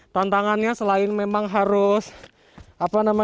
tantangannya selain memang harus mencari daun jambu